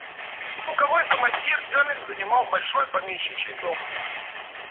Полковой командир Демин занимал большой помещичий дом.